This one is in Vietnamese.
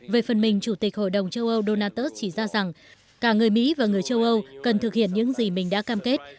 về phần mình chủ tịch hội đồng châu âu donald tus chỉ ra rằng cả người mỹ và người châu âu cần thực hiện những gì mình đã cam kết